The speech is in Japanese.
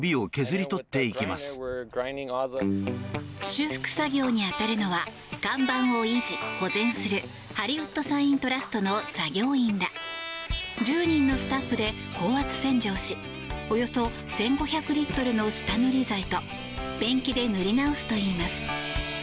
修復作業に当たるのは看板を維持・保全するハリウッド・サイン・トラストの従業員ら１０人のスタッフで高圧洗浄しおよそ１５００リットルの下塗り剤とペンキで塗り直すといいます。